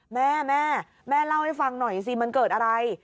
แม่แม่เล่าให้ฟังหน่อยสิมันเกิดอะไร